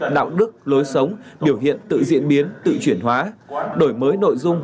đạo đức lối sống biểu hiện tự diễn biến tự chuyển hóa đổi mới nội dung